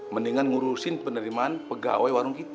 mendingan ngurusin penerimaan pegawai warung kita